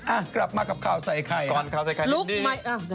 อ่ะกลับมากับข่าวใส่ไข่ครับลุคไมค์อะไร